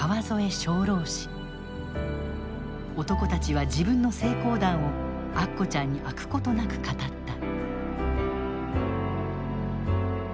男たちは自分の成功談をアッコちゃんに飽くことなく語った。